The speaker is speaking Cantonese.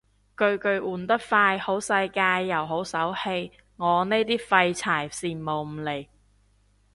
巨巨換得快好世界又好手氣，我呢啲廢柴羨慕唔嚟